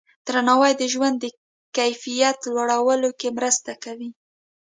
درناوی د ژوند د کیفیت لوړولو کې مرسته کوي.